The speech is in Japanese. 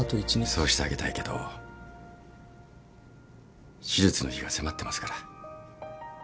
そうしてあげたいけど手術の日が迫ってますから。